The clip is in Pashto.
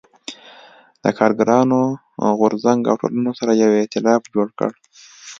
د کارګرانو غو رځنګ او ټولنو سره یو اېتلاف جوړ کړ.